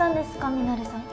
ミナレさん。